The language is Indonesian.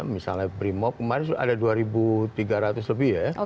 misalnya brimop kemarin ada dua tiga ratus lebih ya